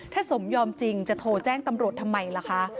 ถ้าสมยอมจริงจะโทรแจ้งตำรวจทำไมล่ะคะ